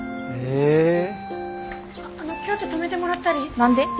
あの今日って泊めてもらったり。